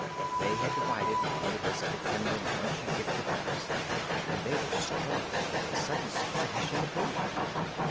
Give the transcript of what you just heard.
They had divided one of the biscuits and were munching it for breakfast when they were startled by a sudden splash in the pool.